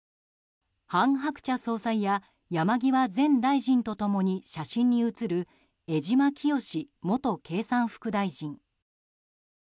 韓鶴子総裁や山際前大臣と共に写真に写る江島潔元経産副大臣。